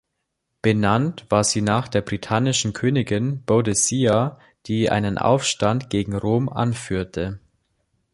Benannt war sie nach der britannischen Königin Boadicea, die einen Aufstand gegen Rom anführte.